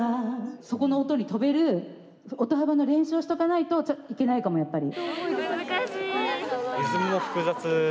そこの音に飛べる音幅の練習をしとかないとちょっといけないかもやっぱり。